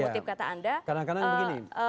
sekarang yang mengutip kata anda